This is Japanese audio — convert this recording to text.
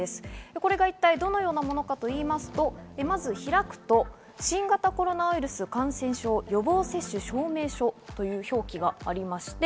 これが一体どのようなものかというと、開くと「新型コロナウイルス感染症予防接種証明書」という表記があります。